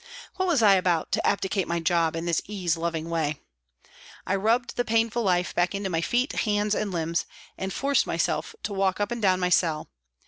What was I about, to abdicate my job in this ease loving way ? I rubbed the painful life back into my feet, hands and limbs, and forced myself to walk up and down my cell.